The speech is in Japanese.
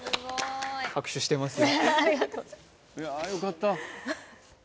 拍手してますよ